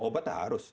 obat ya harus